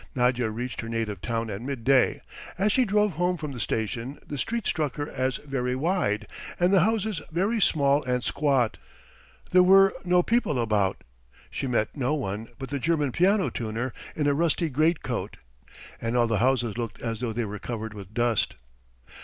Nadya reached her native town at midday. As she drove home from the station the streets struck her as very wide and the houses very small and squat; there were no people about, she met no one but the German piano tuner in a rusty greatcoat. And all the houses looked as though they were covered with dust.